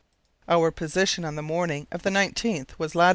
Our position on the morning of the 19th was lat.